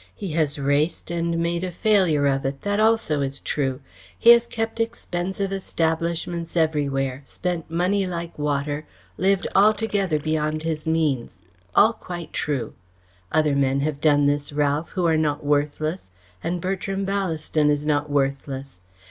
He has raced and made a failure of it. That also is true. He has kept expensive establishments everywhere, spent money like water, lived altogether beyond his means. All quite true. Other men have done this, Ralph, who are not worthless, and Bertram Ballaston is not worthless.